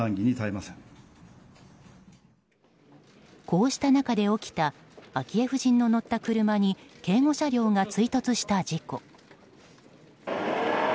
こうした中で起きた昭恵夫人の乗った車に警護車両が追突した事故。